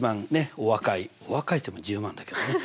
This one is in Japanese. お若いっていっても１０万だけどね。